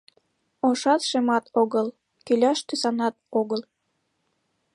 Ошат, шемат огыл, кӱляш тӱсанат огыл.